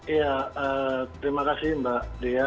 ya terima kasih mbak dika